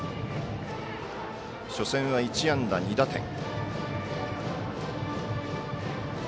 初戦は１安打２打点。